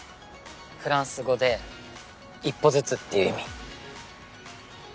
フランス語で「一歩ずつ」っていう意味。